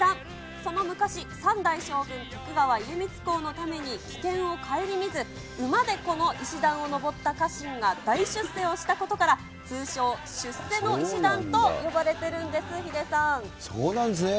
その昔、３代将軍、徳川家光公のために危険を顧みず、馬でこの石段を上った家臣が大出世をしたことから、通称、出世の石段と呼ばれているんです、そうなんですね。